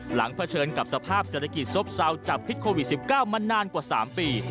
เผชิญกับสภาพเศรษฐกิจซบเซาจากพิษโควิด๑๙มานานกว่า๓ปี